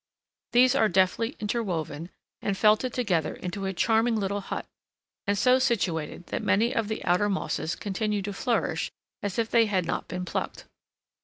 These are deftly interwoven, and felted together into a charming little hut; and so situated that many of the outer mosses continue to flourish as if they had not been plucked.